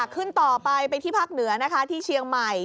ขึ้นต่อไปไปที่ภาคเหนือนะคะที่เชียงใหม่